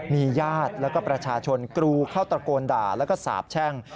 มีญาติแล้วก็ประชาชนกรูเข้าตระโกนด่าแล้วก็สาบแช่ง